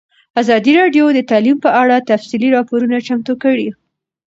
ازادي راډیو د تعلیم په اړه تفصیلي راپور چمتو کړی.